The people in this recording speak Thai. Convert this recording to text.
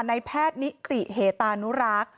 ในแพทย์นิติเฮตานุรักษ์